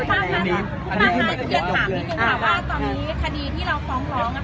คุณมาฮัลที่จะถามนิดนึงค่ะว่าตอนนี้คดีที่เราฟ้องร้องอ่ะค่ะ